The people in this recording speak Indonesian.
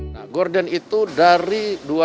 nah gordon itu dari